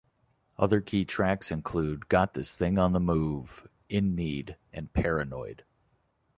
Other key tracks include "Got This Thing on the Move", "In Need", and "Paranoid".